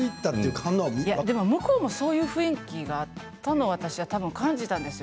でも向こうもそういう雰囲気があったのをたぶん私が感じたんです。